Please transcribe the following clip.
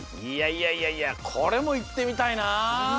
いやいやいやいやこれもいってみたいな。